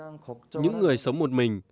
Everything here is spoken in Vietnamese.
những người sống một mình